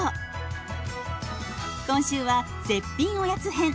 今週は絶品おやつ編。